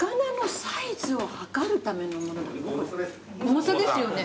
重さですよね。